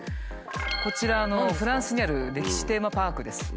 こちらフランスにある歴史テーマパークです。